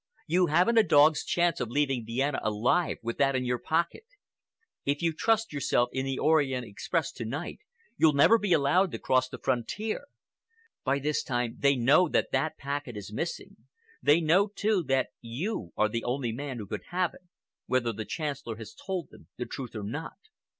You haven't a dog's chance of leaving Vienna alive with that in your pocket. If you trust yourself in the Orient Express to night, you'll never be allowed to cross the frontier. By this time they know that the packet is missing; they know, too, that you are the only man who could have it, whether the Chancellor has told them the truth or not.